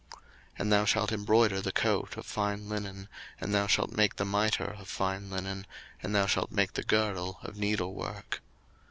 02:028:039 And thou shalt embroider the coat of fine linen, and thou shalt make the mitre of fine linen, and thou shalt make the girdle of needlework.